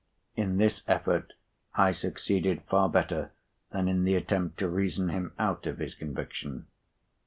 In this effort I succeeded far better than in the attempt to reason him out of his conviction.